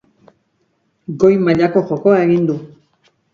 Goi mailako jokoa egin du.